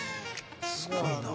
すごいな。